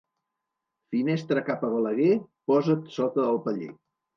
Finestra cap a Balaguer, posa't sota el paller.